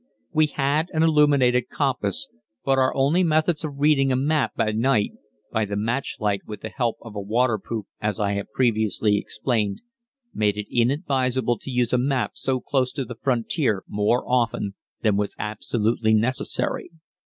We had an illuminated compass, but our only methods of reading a map by night (by the match light, with the help of a waterproof, as I have previously explained) made it inadvisable to use a map so close to the frontier more often than was absolutely necessary.